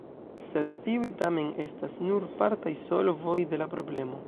Sed tiuj tamen estas nur partaj solvoj de la problemo.